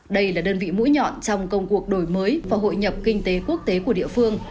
đây là đơn vị mũi nhọn trong công cuộc đổi mới và hội nhập kinh tế quốc tế của địa phương